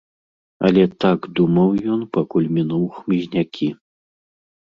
Але так думаў ён, пакуль мінуў хмызнякі.